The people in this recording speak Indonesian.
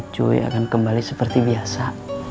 cuy akan kembali seperti biasa